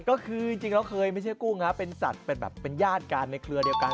ก็คือจริงแล้วเคยไม่ใช่กุ้งนะเป็นสัตว์เป็นแบบเป็นญาติกันในเครือเดียวกัน